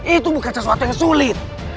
itu bukan sesuatu yang sulit